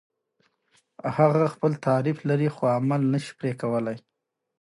هغه خپل تعریف لري خو عمل نشي پرې کولای.